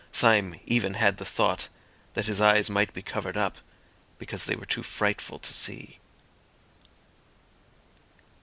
Syme even had the thought that his eyes might be covered up because they were too frightful to see.